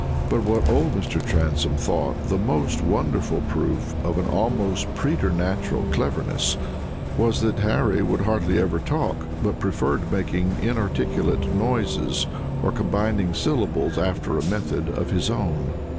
But what old Mr. Transome thought the most wonderful proof of an almost preternatural cleverness was, that Harry would hardly ever talk, but preferred making inarticulate noises, or combining syllables after a method of his own.